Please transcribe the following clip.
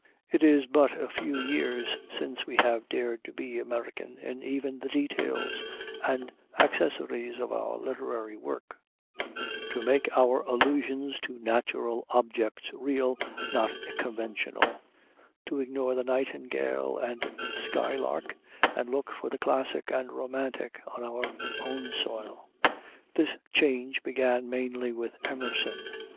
It is but a few years since we have dared to be American in even the details and accessories of our literary work; to make our allusions to natural objects real not conventional; to ignore the nightingale and skylark, and look for the classic and romantic on our own soil. This change began mainly with Emerson.